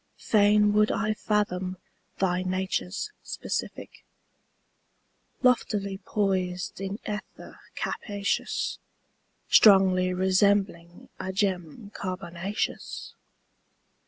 Fain would I fathom thy nature's specific Loftily poised in ether capacious. Strongly resembling a gem carbonaceous.